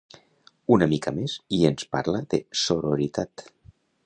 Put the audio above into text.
Una mica més i ens parla de sororitat!